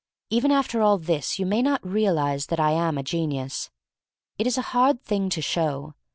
Even after all this you may not realize that I am a genius. It is a hard thing to show.